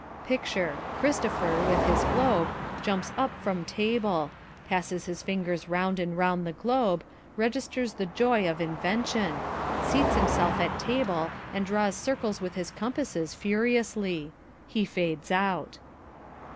Picture. Christopher with his globe jumps up from table passes his fingers round and round the globe registers the joy of invention seats himself at table and draws circles with his compasses furiously. He fades out.